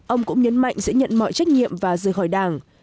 ông cũng nhấn mạnh sẽ nhận mọi trách nhiệm và rời khỏi đảng